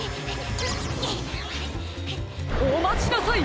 おまちなさい！